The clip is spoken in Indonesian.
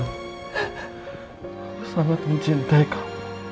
aku sangat mencintai kamu